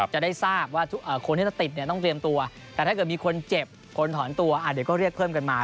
จะได้ทราบว่าคนที่จะติดเนี่ยต้องเตรียมตัวแต่ถ้าเกิดมีคนเจ็บคนถอนตัวเดี๋ยวก็เรียกเพิ่มกันมา